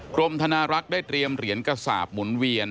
กรมธนารักษ์ได้เตรียมเหรียญกระสาปหมุนเวียน